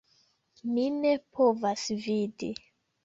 Mi ne povas vidi